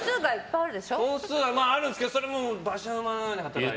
本数はあるんですけどそれはもう馬車馬のように働いて。